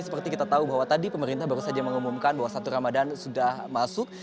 seperti kita tahu bahwa tadi pemerintah baru saja mengumumkan bahwa satu ramadan sudah masuk